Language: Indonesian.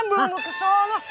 gak tahu mbak